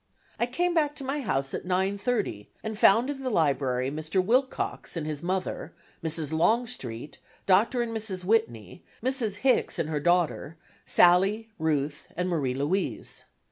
I came back to my house at 9:30 and found in the library Mr. Wilcox and his mother, Mrs. Longstreet, Dr. and Mrs. Whitney, Mrs. Hicks and her daughter, Sallie, Ruth, and Marie Louise.